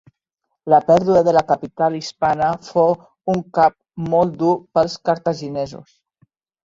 La pèrdua de la capital hispana fou un cop molt dur pels cartaginesos.